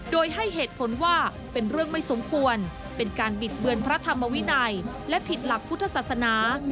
โดยให้เหตุผลว่าเป็นเรื่องไม่สมควรเป็นการบิดเบือนพระธรรมวินัยและผิดหลักพุทธศาสนา